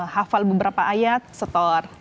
hafal beberapa ayat setor